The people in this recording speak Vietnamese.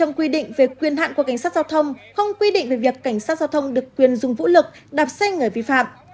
quy định về quyền hạn của cảnh sát giao thông không quy định về việc cảnh sát giao thông được quyền dùng vũ lực đạp xe người vi phạm